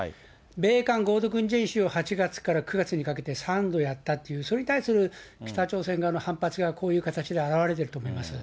米韓合同軍事演習を８月から９月にかけて３度やったという、それに対する北朝鮮側の反発がこういう形で表れていると思います。